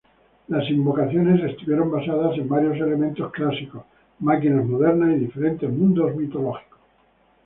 Las invocaciones estuvieron basadas de varios elementos clásicos: máquinas modernas y diferentes mundos mitológicos.